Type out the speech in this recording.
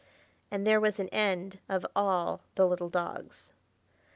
And there was an end of all the little dogs.